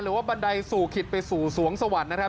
หรือว่าบันไดสู่ขิดไปสู่สวงสวรรค์นะครับ